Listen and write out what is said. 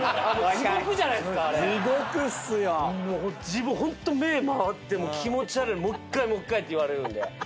自分ホント目ぇ回って気持ち悪いのに「もう１回もう１回」って言われるんで。